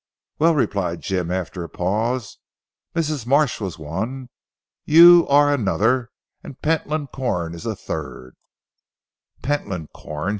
"Well," replied Jim after a pause, "Mrs. Marsh was one, you are another and Pentland Corn is a third " "Pentland Corn!"